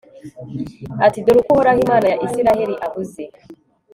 ati dore uko uhoraho, imana ya israheli avuze